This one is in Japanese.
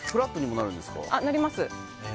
・なります